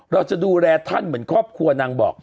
เราจะดูแลท่านเหมือนครอบครัวนางบอก